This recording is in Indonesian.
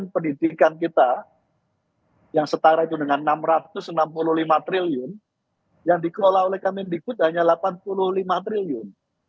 pendidikan kita yang setara itu dengan rp enam ratus enam puluh lima triliun yang dikelola oleh kemendikbud hanya delapan puluh lima triliun